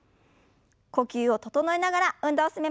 呼吸を整えながら運動を進めましょう。